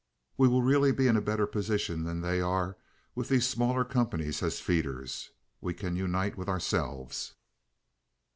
We will really be in a better position than they are with these smaller companies as feeders. We can unite with ourselves."